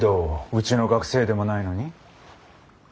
うちの学生でもないのに？